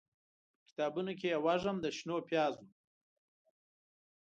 به کتابونوکې یې، وږم د شنو پیازو